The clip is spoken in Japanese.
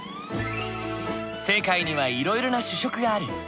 世界にはいろいろな主食がある。